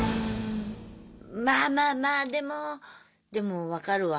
まあまあまあでもでも分かるわ。